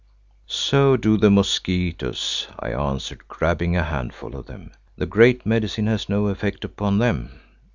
"So do the mosquitoes," I answered, grabbing a handful of them. "The Great Medicine has no effect upon them."